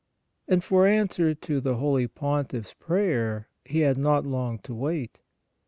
And for answer to the holy Pontiff's prayer he had not long to wait.